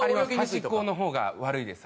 端っこの方が悪いです。